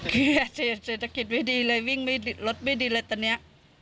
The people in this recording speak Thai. เสียเศรษฐกิจไม่ดีเลยวิ่งไม่รถไม่ดีเลยตอนนี้